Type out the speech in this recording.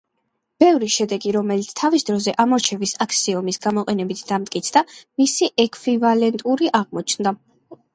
ბევრი შედეგი, რომელიც თავის დროზე ამორჩევის აქსიომის გამოყენებით დამტკიცდა, მისი ექვივალენტური აღმოჩნდა.